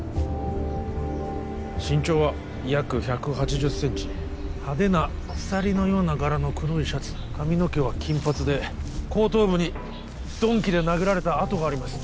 身長は約１８０センチ派手な鎖のような柄の黒いシャツ髪の毛は金髪で後頭部に鈍器で殴られた痕があります